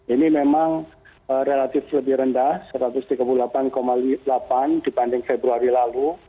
ini memang relatif lebih rendah satu ratus tiga puluh delapan delapan dibanding februari lalu